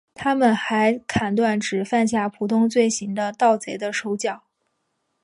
他们还砍断只犯下普通罪行的盗贼的手脚。